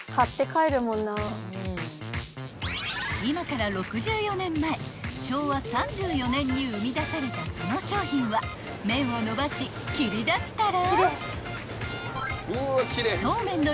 ［今から６４年前昭和３４年に生み出されたその商品は麺を伸ばし切り出したら］